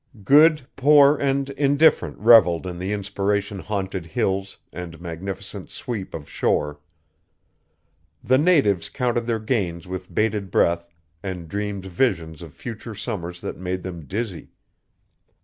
Good, poor, and indifferent revelled in the inspiration haunted Hills and magnificent sweep of shore. The natives counted their gains with bated breath and dreamed visions of future summers that made them dizzy.